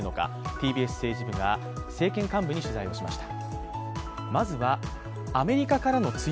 ＴＢＳ政治部が政権幹部に取材をしました。